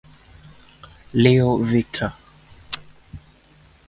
Leo Victor